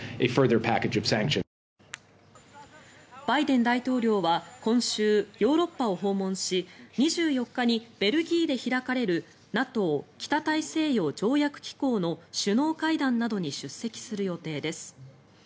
バイデン大統領は今週、ヨーロッパを訪問し２４日にベルギーで開かれるＮＡＴＯ・北大西洋条約機構の首脳会談などに出席する予定です。